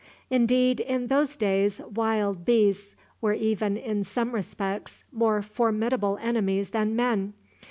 Indeed, in those days wild beasts were even in some respects more formidable enemies than men.